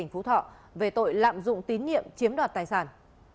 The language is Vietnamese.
phạm tội lạm dụng tín nhiệm chiếm đoạt tài sản